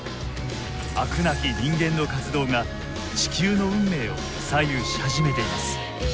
飽くなき人間の活動が地球の運命を左右し始めています。